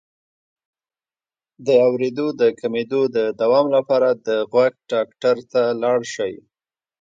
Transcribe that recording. د اوریدو د کمیدو د دوام لپاره د غوږ ډاکټر ته لاړ شئ